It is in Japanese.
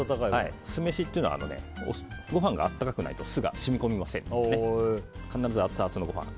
酢飯っていうのはご飯が温かくないと酢が染み込みませんので必ずアツアツのご飯で。